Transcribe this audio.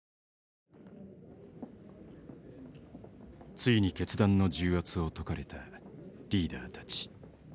ついに決断の重圧を解かれたリーダーたち。